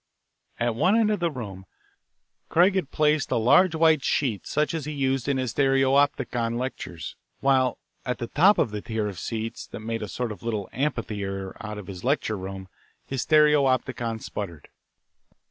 At one end of the room Craig had placed a large white sheet such as he used in his stereopticon lectures, while at the top of the tier of seats that made a sort of little amphitheatre out of his lecture room his stereopticon sputtered.